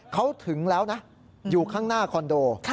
เขาถึงแล้วนะอยู่ข้างหน้าคอนโด